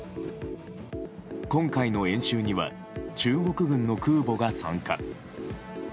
今回の演習には中国軍の空母が参加。